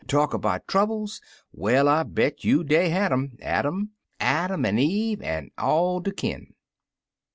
Talk about troubles I Well, I bet you dey had 'em Adam — Adam an' Eve an' all der kin.